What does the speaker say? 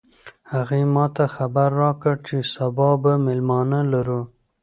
هغې ما ته خبر راکړ چې سبا به مېلمانه لرو